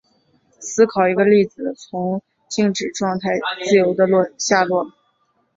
思考一个粒子从静止状态自由地下落。